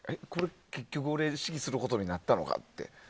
結局、俺が指揮することになったのかって。